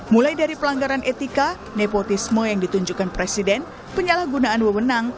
mulai dari pelanggaran etika nepotisme yang ditunjukkan presiden penyalahgunaan wewenang